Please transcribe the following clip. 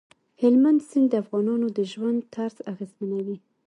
هلمند سیند د افغانانو د ژوند طرز اغېزمنوي.